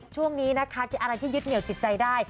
ช่วงนี้นะคะอะไรที่ยึดเหนียวติดใจได้